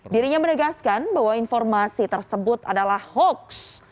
dirinya menegaskan bahwa informasi tersebut adalah hoax